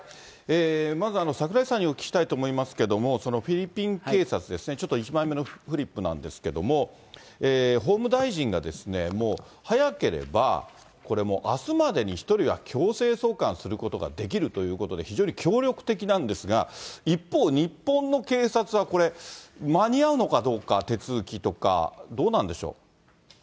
まず、櫻井さんにお聞きしたいと思いますけれども、フィリピン警察ですね、ちょっと１枚目のフリップなんですけれども、法務大臣が、もう早ければこれ、あすまでに１人は強制送還することができるということで、非常に協力的なんですが、一方、日本の警察は、これ、間に合うのかどうか、手続きとか、どうなんでしょう。